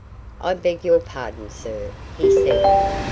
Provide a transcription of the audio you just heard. "I beg your pardon, sir," he said.